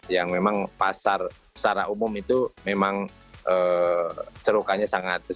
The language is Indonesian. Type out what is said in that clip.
yang memang pasar secara umum itu memang cerukannya sangat